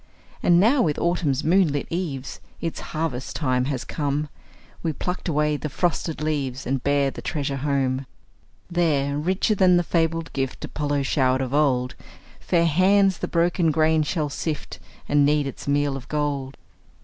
And now, with autumn's moon lit eves, Its harvest time has come, We pluck away the frosted leaves, And bear the treasure home. There, richer than the fabled gift Apollo showered of old, Fair hands the broken grain shall sift, And knead its meal of gold.